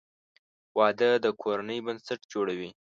• واده د کورنۍ بنسټ جوړوي.